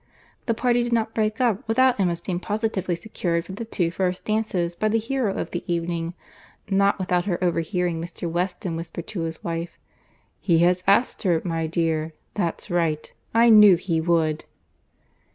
The party did not break up without Emma's being positively secured for the two first dances by the hero of the evening, nor without her overhearing Mr. Weston whisper to his wife, "He has asked her, my dear. That's right. I knew he would!"